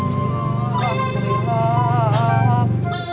selamat malam cuy